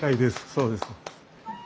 そうです。